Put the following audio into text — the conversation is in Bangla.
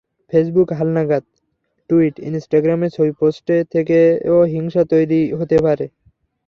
ফেসবুক হালনাগাদ, টুইট, ইনস্টাগ্রামে ছবি পোস্ট থেকেও হিংসা তৈরি হতে পারে।